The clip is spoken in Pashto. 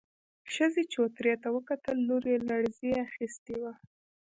ښځې چوترې ته وکتل، لور يې لړزې اخيستې وه.